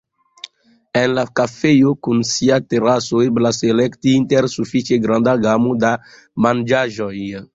En la kafejo kun sia teraso eblas elekti inter sufiĉe granda gamo da manĝaĵoj.